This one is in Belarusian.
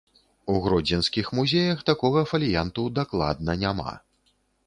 У гродзенскіх музеях такога фаліянту дакладна няма.